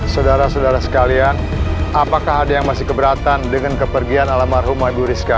saudara saudara sekalian apakah ada yang masih keberatan dengan kepergian alam marhumah ibu rizqah